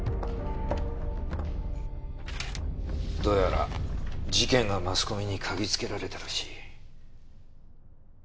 どうやら事件がマスコミに嗅ぎ付けられたらしい。